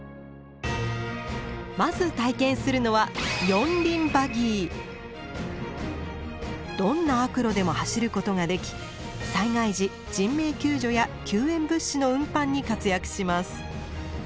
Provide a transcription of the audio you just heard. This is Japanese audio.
まず体験するのはどんな悪路でも走ることができ災害時人命救助や救援物資の運搬に活躍します。